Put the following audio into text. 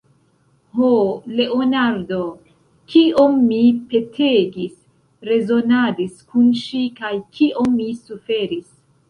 Ho, Leonardo, kiom mi petegis, rezonadis kun ŝi, kaj kiom mi suferis!